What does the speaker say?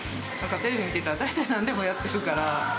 テレビ見てたら、大体なんでもやってるから。